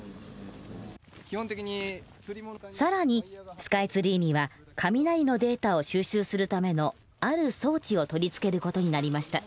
更にスカイツリーには雷のデータを収集するためのある装置を取り付ける事になりました。